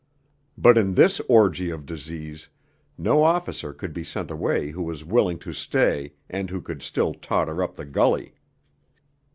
But in this orgy of disease, no officer could be sent away who was willing to stay and could still totter up the gully.